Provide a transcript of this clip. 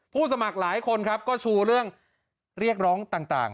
สมัครหลายคนครับก็ชูเรื่องเรียกร้องต่าง